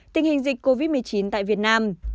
tình hình dịch covid một mươi chín tại việt nam